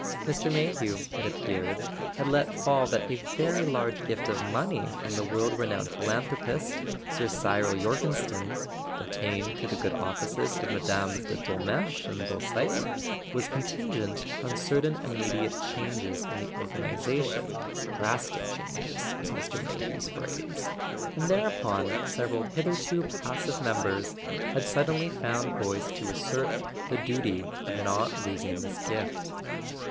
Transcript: Mr. Mayhew, it appeared, had let fall that a very large gift of money from the world renowned philanthropist. Sir Cyril Jorgenstein (obtained through the good offices of Mmes. de Dolmetsch and Beausite) was contingent on certain immediate changes in the organization ("drastic changes" was Mr. Mayhew's phrase); and thereupon several hitherto passive members had sud¬ denly found voice to assert the duty of not losing this gift.